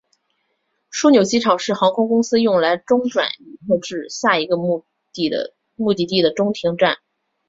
枢纽机场是航空公司用来中转旅客至下一个目的地的中停点。